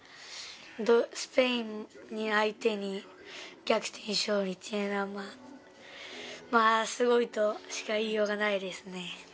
スペイン相手に逆転勝利というのはまあ、すごいとしか言いようがないですね。